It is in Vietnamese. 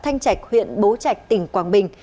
thanh trạch huyện bố trạch tỉnh quảng bình